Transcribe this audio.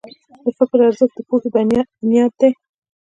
د فکر ارزښت د پوهې بنیاد دی.